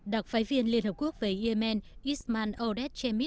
đặc phái viên liên hợp quốc về yemen ismail oded chemid ahmed